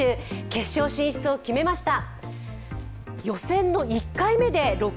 決勝進出を決めました。